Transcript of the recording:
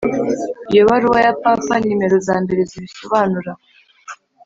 iyo baruwa ya papa numero zambere zibisobanura